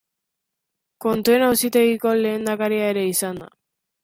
Kontuen Auzitegiko lehendakaria ere izan da.